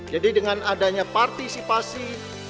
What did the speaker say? jadi dengan adanya partisipasi